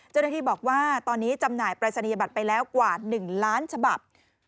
เจ้าหน้าที่บอกว่าตอนนี้จำหน่ายปรายศนียบัตรไปแล้วกว่า๑ล้านฉบับ